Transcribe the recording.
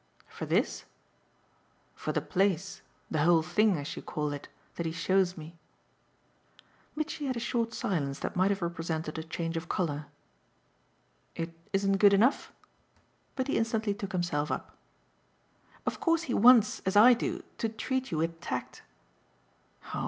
"For 'this'?" "For the place, the whole thing, as you call it, that he shows me." Mitchy had a short silence that might have represented a change of colour. "It isn't good enough?" But he instantly took himself up. "Of course he wants as I do to treat you with tact!"